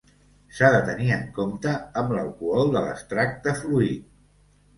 S'ha de tenir en compte amb l'alcohol de l'extracte fluid.